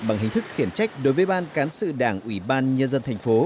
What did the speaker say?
bằng hình thức khiển trách đối với ban cán sự đảng ủy ban nhân dân thành phố